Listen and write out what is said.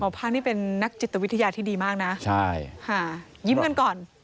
ของหมอพาคเป็นนักจิตวิทยาที่ดีมากนะยิ้มกันก่อน